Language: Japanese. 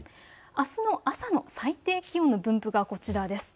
あすの朝の最低気温の分布がこちらです。